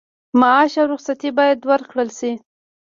معاش او رخصتي باید ورکړل شي.